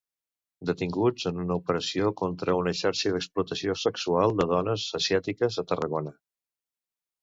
Detinguts en una operació contra una xarxa d'explotació sexual de dones asiàtiques a Tarragona.